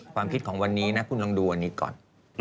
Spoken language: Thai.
ความคิดของวันนี้นะคุณลองดูวันนี้ก่อน